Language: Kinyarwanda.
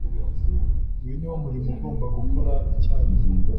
uyu niwo murimo ugomba gukora icyarimwe